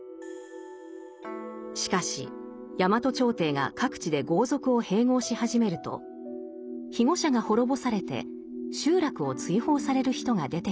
しかし大和朝廷が各地で豪族を併合し始めると庇護者が滅ぼされて集落を追放される人が出てきます。